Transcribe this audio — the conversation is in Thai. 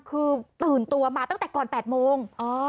คือตื่นตัวมาตั้งแต่ก่อน๘โมง